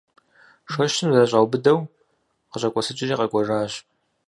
Шэщым зэрыщӏаубыдэу, къыщӏэкӏуэсыкӏри къэкӏуэжащ.